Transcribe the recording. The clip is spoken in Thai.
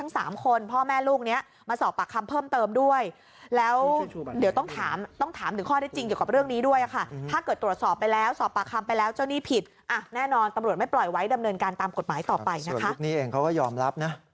ส่วนยุคนี่เองเขาก็ยอมรับนะ